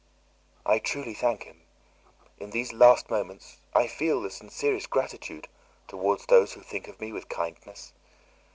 "I truly thank him. In these last moments I feel the sincerest gratitude towards those who think of me with kindness.